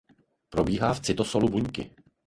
Probíhá v cytosolu buňky.